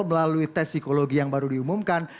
melalui tes psikologi yang baru diumumkan